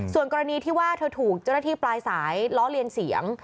ส่วนกรณีที่ว่าเธอถูกเจ้าหน้าที่ปลายสายล้อเลียนเสียง